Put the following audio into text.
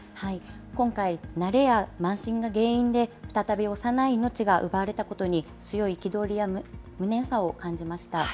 今回、慣れや慢心が原因で、再び幼い命が奪われたことに、強い憤りや無念さを感じました。